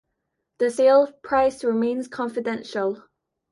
The sale price remains confidential.